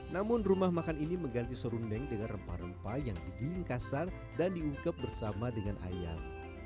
namun rumah makan ini mengganti serundeng dengan rempah rempah yang digingkasan dan diungkep bersama dengan ayam